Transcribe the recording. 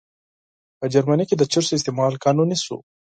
په جرمني کې د چرسو استعمال قانوني شو.